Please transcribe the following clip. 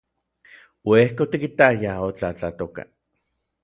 Uejka otikitayaj otlatlatoka.